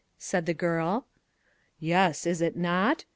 said the girl. "Yes, is it not?